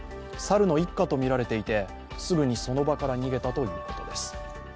猿の一家とみられていてすぐにその場から逃げたということです。